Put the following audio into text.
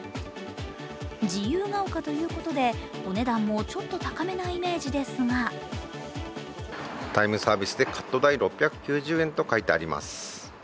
自由が丘ということで、お値段もちょっと高めなイメージですがタイムサービスでカット代６９０円と書いてあります。